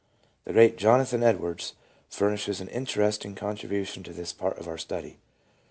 The great Jonathan Edwards furnishes an interesting con tribution to this part of our study.